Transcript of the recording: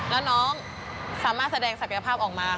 แล้วน้องสามารถแสดงศักยภาพออกมา